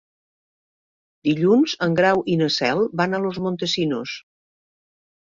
Dilluns en Grau i na Cel van a Los Montesinos.